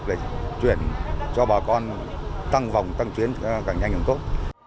để chuyển cho bà con tăng vòng tăng chuyến càng nhanh càng tốt